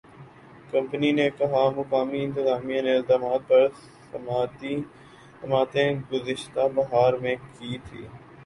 company نے کہا مقامی انتظامیہ نے الزامات پر سماعتیں گذشتہ بہار میں کی تھیں